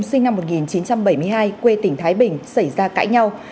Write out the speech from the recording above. sinh năm một nghìn chín trăm bảy mươi hai quê tỉnh thái bình xảy ra cãi nhau